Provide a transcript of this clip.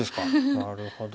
なるほど。